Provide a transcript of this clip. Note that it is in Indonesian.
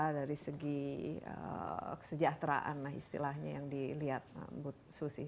dari segi kesejahteraan lah istilahnya yang dilihat bu susi